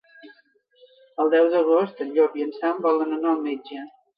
El deu d'agost en Llop i en Sam volen anar al metge.